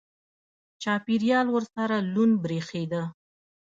چاپېریال ورسره لوند برېښېده.